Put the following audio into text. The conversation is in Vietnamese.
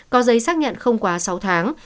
có giấy xác nhận không quá sáu tháng